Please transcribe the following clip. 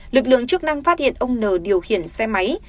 lực lượng chức năng phát hiện ông n điều khiển xe máy